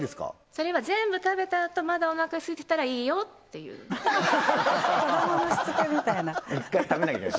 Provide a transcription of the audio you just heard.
それは全部食べたあとまだおなかすいてたらいいよっていう子どものしつけみたいな１回食べなきゃいけない